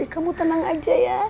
kamu tenang aja ya